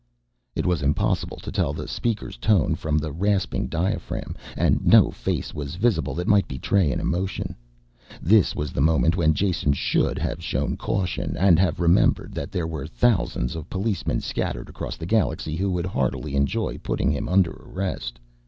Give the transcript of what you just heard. It was impossible to tell the speaker's tone from the rasping diaphragm, and no face was visible that might betray an emotion. This was the moment when Jason should have shown caution, and have remembered that there were thousands of policemen scattered across the galaxy who would heartily enjoy putting him under arrest.